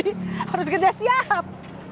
udah digaji harus kerja siap